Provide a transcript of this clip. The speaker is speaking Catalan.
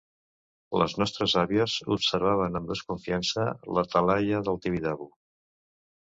Les nostres àvies observaven amb desconfiança la talaia del Tibidabo.